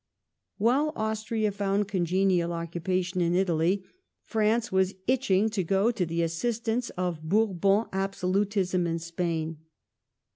While Austria found congenial occupation in Italy, France was itching to go to the assistance of Bourbon absolutism in Spain.